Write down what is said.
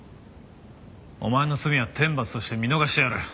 お前の罪は天罰として見逃してやる。